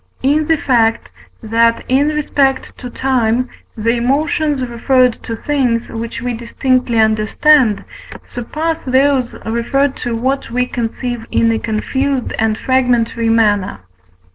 In the fact, that, in respect to time, the emotions referred to things, which we distinctly understand, surpass those referred to what we conceive in a confused and fragmentary manner (V.